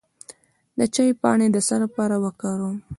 د چای پاڼې د څه لپاره وکاروم؟